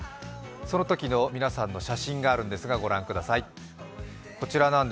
そのときの皆さんの写真があるんですがご覧ください。